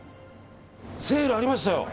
セールありましたよ。